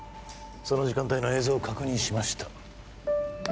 その時間帯の映像を確認しました